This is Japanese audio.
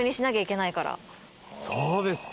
そうです。